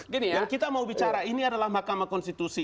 gini yang kita mau bicara ini adalah mahkamah konstitusi